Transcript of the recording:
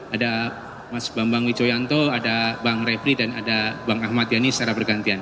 ada mas bambang wijoyanto ada bang refli dan ada bang ahmad yani secara bergantian